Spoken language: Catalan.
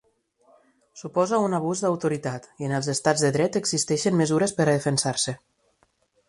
Suposa un abús d'autoritat, i en els estats de dret existeixen mesures per a defensar-se.